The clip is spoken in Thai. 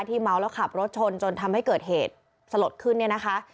เมาแล้วขับรถชนจนทำให้เกิดเหตุสลดขึ้นเนี่ยนะคะ